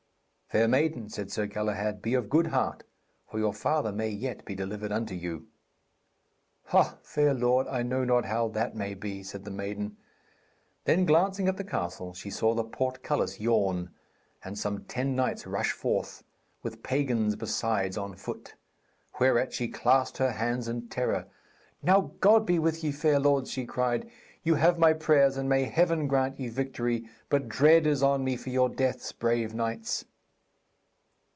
'Fair maiden,' said Sir Galahad, 'be of good heart, for your father may yet be delivered unto you.' 'Ha, fair lord, I know not how that may be,' said the maiden. Then, glancing at the castle, she saw the portcullis yawn, and some ten knights rush forth, with pagans besides on foot. Whereat she clasped her hands in terror. 'Now God be with ye, fair lords,' she cried. 'You have my prayers, and may Heaven grant ye victory. But dread is on me for your deaths, brave knights.'